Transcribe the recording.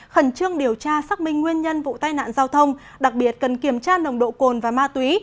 khẩn trương điều tra xác minh nguyên nhân vụ tai nạn giao thông đặc biệt cần kiểm tra nồng độ cồn và ma túy